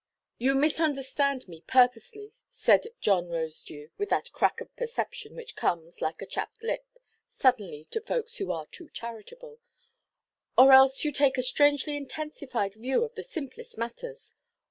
"You misunderstand me purposely," said John Rosedew, with that crack of perception which comes (like a chapped lip) suddenly to folks who are too charitable, "or else you take a strangely intensified view of the simplest matters.